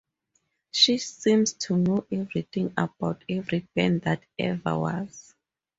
She seems to know everything about every band that ever was.